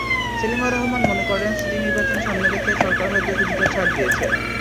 সেলিমা রহমান মনে করেন, সিটি নির্বাচন সামনে রেখে সরকার হয়তো কিছুটা ছাড় দিয়েছে।